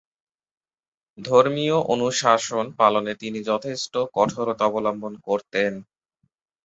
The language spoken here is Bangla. ধর্মীয় অনুশাসন পালনে তিনি যথেষ্ট কঠোরতা অবলম্বন করতেন।